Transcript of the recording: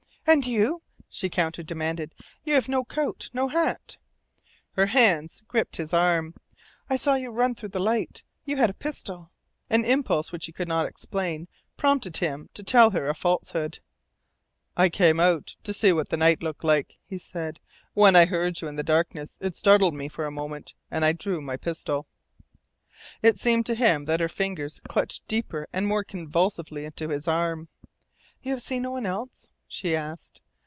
"And you?" she counter demanded. "You have no coat, no hat ..." Her hands gripped his arm. "I saw you run through the light. You had a pistol." An impulse which he could not explain prompted him to tell her a falsehood. "I came out to see what the night looked like," he said. "When I heard you in the darkness it startled me for a moment, and I drew my pistol." It seemed to him that her fingers clutched deeper and more convulsively into his arm. "You have seen no one else?" she asked.